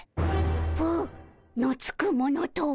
「ぷ」のつくものとは。